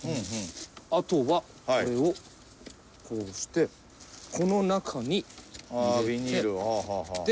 あとはこれをこうしてこの中に入れて。